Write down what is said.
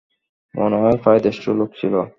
মনে হয় প্রায় দেড়শো লোক ছিল।